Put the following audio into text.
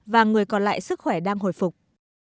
và người còn lại sức khỏe đang hồi phục